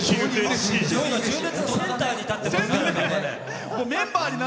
純烈のセンターに立ってますからね。